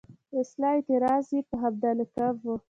اصلاً اعتراض یې په همدغه لقب و.